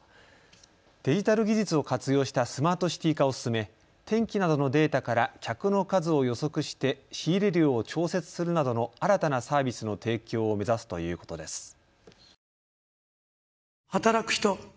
デジタル技術を活用したスマートシティー化を進め天気などのデータから客の数を予測して仕入れ量を調節するなどの新たなサービスの提供を目指すということです。